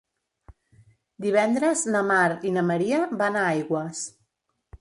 Divendres na Mar i na Maria van a Aigües.